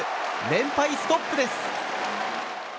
連敗ストップです。